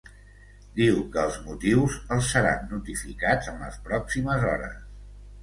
Diu que els motius els seran notificats en les pròximes hores.